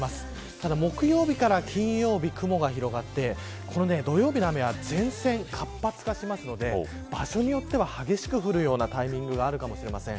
ただ木曜日から金曜日雲が広がって土曜日の雨は前線、活発化しますので場所によっては激しく降るようなタイミングがあるかもしれません。